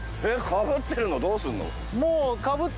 かかってるのどうすんの？